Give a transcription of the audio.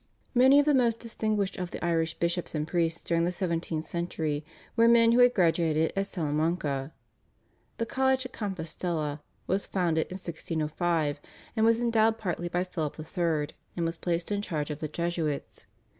Many of the most distinguished of the Irish bishops and priests during the seventeenth century were men who had graduated at Salamanca. The college at Compostella was founded in 1605, was endowed partly by Philip III., and was placed in charge of the Jesuits.